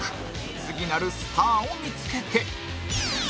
次なるスターを見付けて